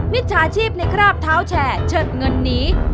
มิจฉาชีพในคราบเท้าแชร์เชิดเงินหนี